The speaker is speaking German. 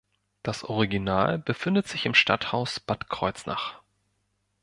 Das Original befindet sich im Stadthaus Bad Kreuznach.